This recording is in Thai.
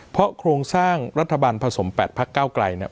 เพราะโครงสร้างรัฐบาลผสม๘พักเก้าไกลเนี่ย